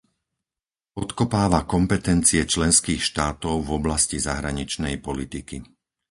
Podkopáva kompetencie členských štátov v oblasti zahraničnej politiky.